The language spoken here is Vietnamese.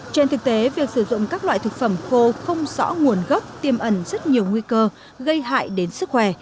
trên thực tế việc sử dụng các loại thực phẩm khô không rõ nguồn gốc tiêm ẩn rất nhiều nguy cơ gây hại đến sức khỏe